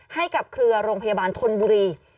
ให้กับเครือโรงพยาบาลธนบุรี